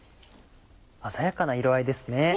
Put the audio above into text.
鮮やかな色合いですね。